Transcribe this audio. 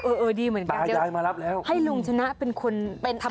เออดีเหมือนกันค่ะให้ลุงชนะเป็นคนทำตัวอย่าง